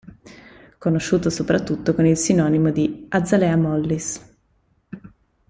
Conosciuto soprattutto con il sinonimo di "Azalea mollis".